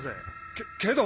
けけど。